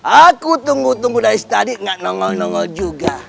aku tunggu tunggu dari tadi gak nongol nongol juga